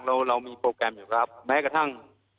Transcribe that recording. เราเรามีโปรแกรมอยู่ครับแม้กระทั่ง